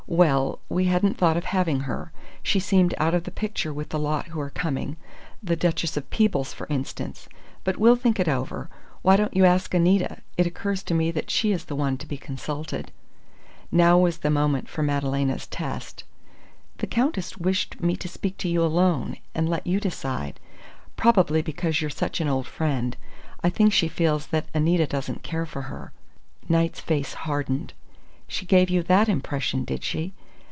Well we hadn't thought of having her. She seemed out of the picture with the lot who are coming the Duchess of Peebles, for instance. But we'll think it over. Why don't you ask Anita? It occurs to me that she is the one to be consulted." Now was the moment for Madalena's test. "The Countess wished me to speak to you alone, and let you decide. Probably because you're such an old friend. I think she feels that Anita doesn't care for her." Knight's face hardened. "She gave you that impression, did she?